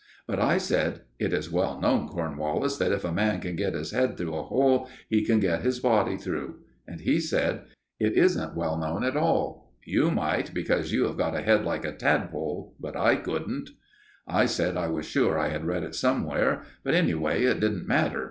But I said: "It is well known, Cornwallis, that if a man can get his head through a hole, he can get his body through." And he said: "It isn't well known at all. You might because you have got a head like a tadpole, but I couldn't." I said I was sure I had read it somewhere, but, anyway, it didn't matter.